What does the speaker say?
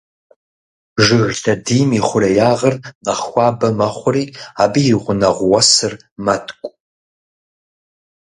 Жыг лъэдийм и хъуреягъыр нэхъ хуабэ мэхъури абы и гъунэгъу уэсыр мэткӀу.